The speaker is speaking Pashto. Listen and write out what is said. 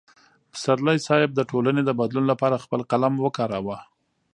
پسرلی صاحب د ټولنې د بدلون لپاره خپل قلم وکاراوه.